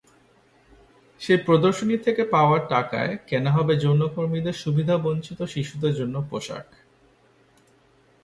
সেই প্রদর্শনী থেকে পাওয়া টাকায় কেনা হবে যৌনকর্মীদের সুবিধাবঞ্চিত শিশুদের জন্য পোশাক।